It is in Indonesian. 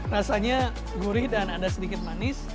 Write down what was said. rasanya gurih dan ada sedikit manis